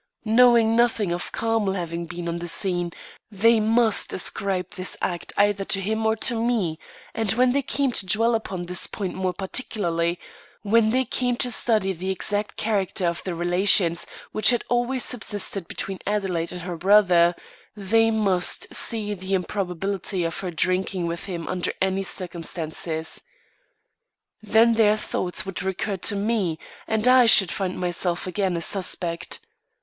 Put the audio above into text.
Knowing nothing of Carmel having been on the scene, they must ascribe this act either to him or to me; and when they came to dwell upon this point more particularly when they came to study the exact character of the relations which had always subsisted between Adelaide and her brother they must see the improbability of her drinking with him under any circumstances. Then their thoughts would recur to me, and I should find myself again a suspect.